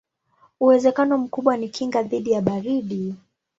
Uwezekano mkubwa ni kinga dhidi ya baridi.